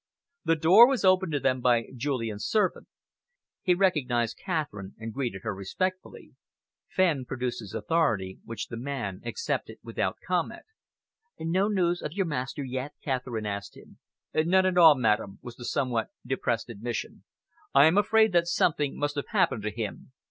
The door was opened to them by Julian's servant. He recognised Catherine and greeted her respectfully. Fenn produced his authority, which the man accepted without comment. "No news of your master yet?" Catherine asked him. "None at all, madam," was the somewhat depressed admission. "I am afraid that something must have happened to him.